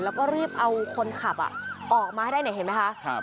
แล้วก็รีบเอาคนขับออกมาให้ได้เนี่ยเห็นไหมคะ